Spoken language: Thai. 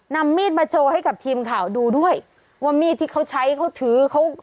นำมีดมาโชว์ให้กับทีมข่าวดูด้วยว่ามีดที่เขาใช้เขาถือเขา